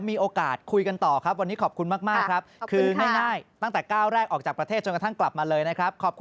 หรือคุ้มครองหมดเลยถ้าเลือกจะซื้อเอาไว้